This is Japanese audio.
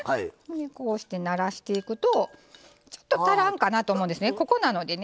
こうしてならしていくとちょっと足らんかなと思うんですね。